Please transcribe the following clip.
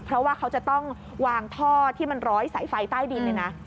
เพราะว่าเขาจะต้องวางท่อที่มันร้อยสายไฟใต้ดินเลยนะ